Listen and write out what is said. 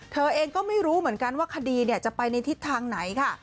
เธอเองก็ไม่รู้เหมือนกันว่าคดีจะไปในทิศทางไหนค่ะ